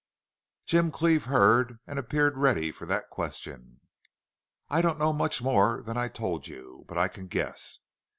Jim Cleve heard and appeared ready for that question. "I don't know much more than I told you. But I can guess.